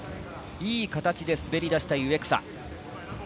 いい形で滑り出したい植草。